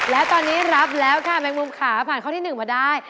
และตอนนี้รับแล้วค่ะแมงมุมค่ะผ่านข้อที่๑มาได้